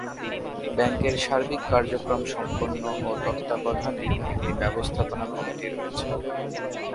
ব্যাংকের সার্বিক কার্যক্রম সম্পন্ন ও তত্বাবধানে একটি ব্যবস্থাপনা কমিটি রয়েছে।